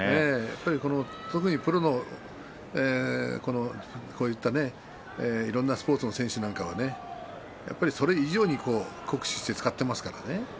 特にプロのスポーツ選手なんかはそれ以上に酷使して使っていますからね。